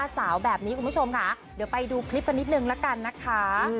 สาวแบบนี้คุณผู้ชมค่ะเดี๋ยวไปดูคลิปกันนิดนึงละกันนะคะ